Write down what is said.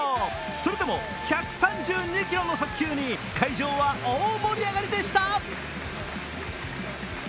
それでも１３２キロの速球に会場は大盛り上がりでした。